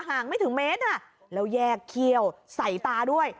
งไม่ถึงเมตรแล้วแยกเขี้ยวใส่ตาด้วย